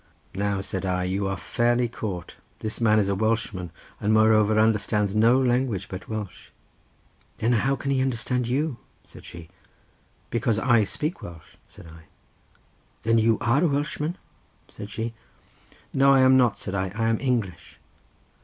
"Now," said I, "you are fairly caught: this man is a Welshman, and moreover understands no language but Welsh." "Then how can he understand you?" said she. "Because I speak Welsh," said I. "Then you are a Welshman?" said she. "No I am not," said I, "I am English."